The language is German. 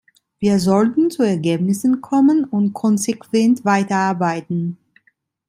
Wir sollten zu Ergebnissen kommen und konsequent weiter arbeiten!